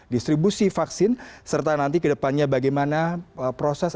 distribusi vaksin serta nanti ke depannya bagaimana proses